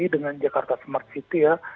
dengan jakarta smart city ya